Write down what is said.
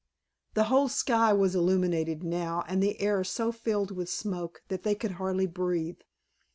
The whole sky was illuminated now, and the air so filled with smoke that they could hardly breathe.